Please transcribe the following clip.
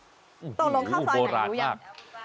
สุดสักอย่างโบราณมากทองลงเข้าซอยไหนที่รู้ยัง